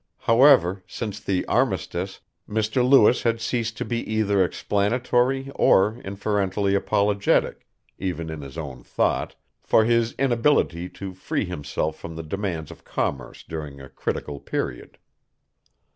However, since the armistice, Mr. Lewis had ceased to be either explanatory or inferentially apologetic even in his own thought for his inability to free himself from the demands of commerce during a critical period.